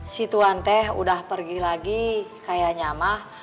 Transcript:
si tuan teh udah pergi lagi kayak nyamah